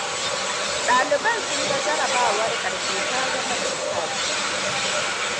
Daliban sun ga jarrabawar karshe ta zama iska ce.